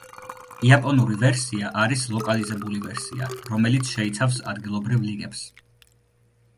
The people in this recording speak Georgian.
იაპონური ვერსია არის ლოკალიზებული ვერსია, რომელიც შეიცავს ადგილობრივ ლიგებს.